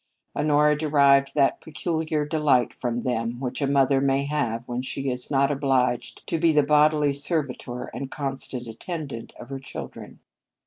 Honora derived that peculiar delight from them which a mother may have when she is not obliged to be the bodily servitor and constant attendant of her children.